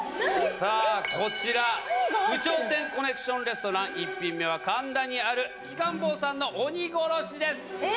さあこちら有頂天コネクションレストラン１品目は神田にある鬼金棒さんの鬼殺しですえ！？